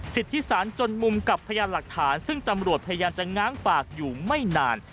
สิทธิสารจนมุมกับพยานหลักฐานซึ่งตำรวจพยายามจะง้างปากอยู่ไม่นาน